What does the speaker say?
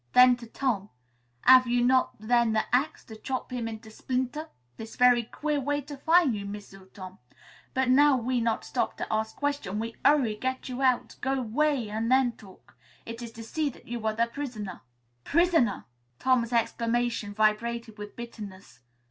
Then to Tom: "Hav' you not then the axe, to chop him into splinter'? This very queer way to fin' you, M'sieu' Tom. But now we not stop to ask question, we 'urry, get you out. Go 'way an' then talk. It is to see that you are the prisoner." "Prisoner!" Tom's exclamation vibrated with bitterness.